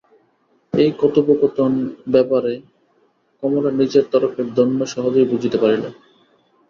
এই কথোপকথন-ব্যাপারে কমলা নিজের তরফের দৈন্য সহজেই বুঝিতে পারিল।